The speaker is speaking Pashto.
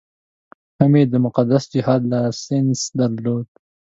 هم یې د مقدس جهاد لایسنس درلود.